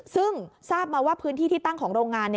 ซึ่งทราบมาว่าพื้นที่ที่ตั้งของโรงงาน